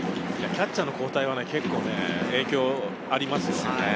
キャッチャーの交代は結構影響ありますよね。